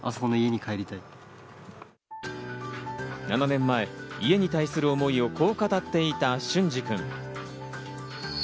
７年前、家に対する思いをこう語っていた隼司君。